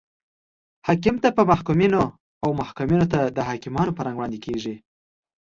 حاکم ته په محکومینو او محکومینو ته د حاکمانو په رنګ وړاندې کیږي.